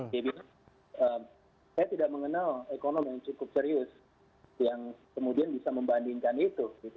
jadi saya tidak mengenal ekonomi yang cukup serius yang kemudian bisa membandingkan itu